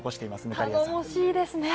頼もしいですね。